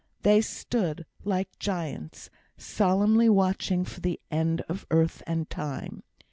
They stood, like giants, solemnly watching for the end of Earth and Time.